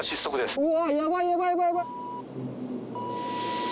うわ！